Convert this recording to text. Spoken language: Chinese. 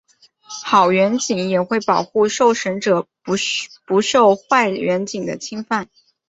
好员警也会保护受审者不受坏员警的侵犯。